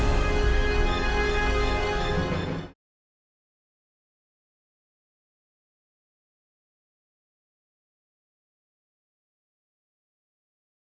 bu fania gak akan tahu kalau aku masukin jamu ke minumannya